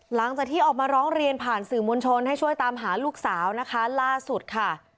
หลังจากที่ออกมาร้องเรียนผ่านสื่อมวลชนให้ช่วยตามหาลูกสาวนะคะล่าสุดค่ะ